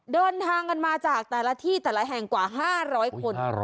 เดินทางกันมาจากแต่ละที่แต่ละแห่งกว่า๕๐๐คน